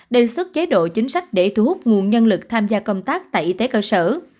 đề xuất chế độ chính sách để thu hút nguồn nhân lực tham gia công tác tại y tế cơ sở